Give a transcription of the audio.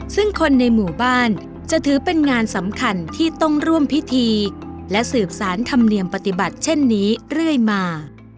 ซึ่งคนในหมู่บ้านจะถือเป็นงานสำคัญที่ต้องร่วมพิธีและสืบสารธรรมเนียมปฏิบัติเช่นนี้เรื่อยมา